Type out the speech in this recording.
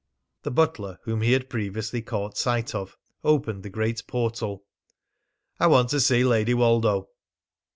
The butler whom he had previously caught sight of opened the great portal. "I want to see Lady Woldo."